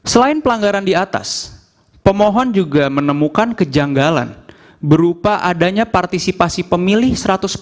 selain pelanggaran di atas pemohon juga menemukan kejanggalan berupa adanya partisipasi pemilih seratus